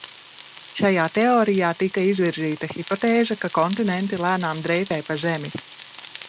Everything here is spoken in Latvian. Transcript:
Šajā teorijā tika izvirzīta hipotēze, ka kontinenti lēnām dreifē pa Zemi.